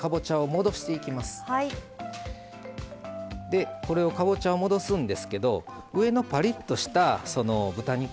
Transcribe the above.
でこれをかぼちゃを戻すんですけど上のパリッとした豚肉